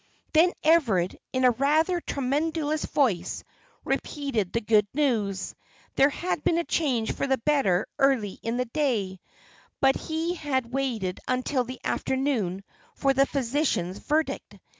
Then Everard, in rather a tremulous voice, repeated the good news. There had been a change for the better early in the day, but he had waited until the afternoon for the physician's verdict.